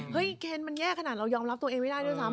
เคนมันแย่ขนาดเรายอมรับตัวเองไม่ได้ด้วยซ้ำ